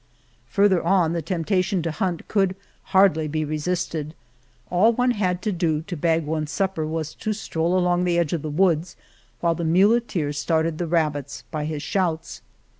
Farther on the temptation to hunt could hardly be resisted — all one had to do to bag one's supper was to stroll along the edge of the woods while the muleteer started the rabbits by his shouts.